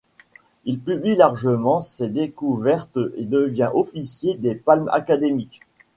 Il publie largement ses découvertes et devient officier des Palmes académiques.